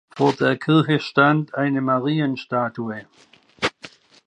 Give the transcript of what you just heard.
Vor der Kirche stand eine Marienstatue.